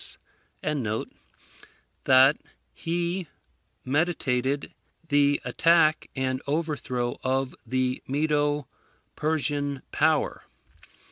] that he meditated the attack and overthrow of the Medo Persian power.